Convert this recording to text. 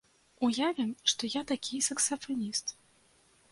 Уявім, што я такі саксафаніст.